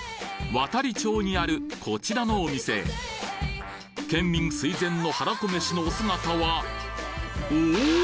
亘理町にあるこちらのお店へ県民垂涎のはらこめしのお姿はおぉ！